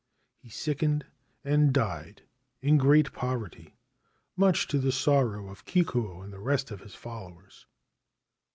He sickened and died in great poverty, much to the sorrow of Kikuo and the rest of his followers.